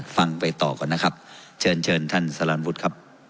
ฟังไปต่อก่อนนะครับเชิญเชิญท่านครับ